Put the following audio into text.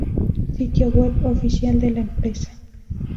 Sitio web oficial de la empresa